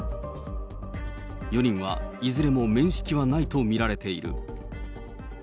４人はいずれも面識はないと見られている。